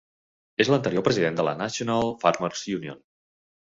És l'anterior president de la "National Farmers Union".